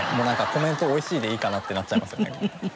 コメント美味しいでいいかなってなっちゃいますよね。